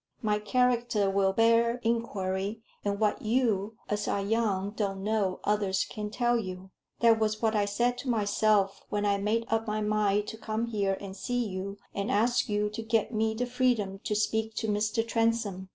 My character will bear enquiry, and what you, as are young, don't know, others can tell you. That was what I said to myself when I made up my mind to come here and see you, and ask you to get me the freedom to speak to Mr. Transome.